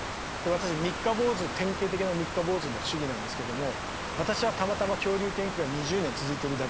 私三日坊主典型的な三日坊主の主義なんですけども私はたまたま恐竜研究が２０年続いているだけなんです。